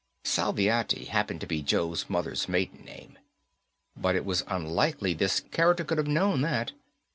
Salviati happened to be Joe's mother's maiden name. But it was unlikely this character could have known that.